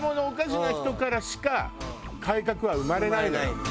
おかしな人からしか改革は生まれないのよ。